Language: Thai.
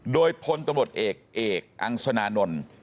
โดยพลตำรวจเอกเอกอังสนานนท์